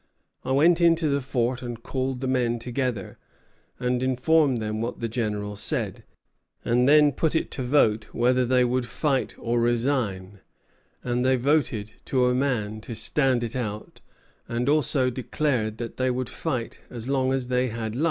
"I went into the fort and called the men together, and informed them what the General said, and then put it to vote whether they would fight or resign; and they voted to a man to stand it out, and also declared that they would fight as long as they had life."